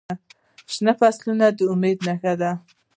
شنه فصلونه د امید نښه ده.